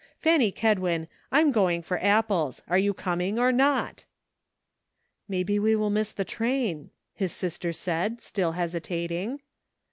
Fanny Kedwin, I'm going after apples ; are you com ing or not ?" "Maybe we will miss the train," his sister said, still hesitating.